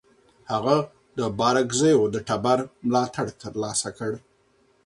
هغه د بارکزیو د ټبر ملاتړ ترلاسه کړ.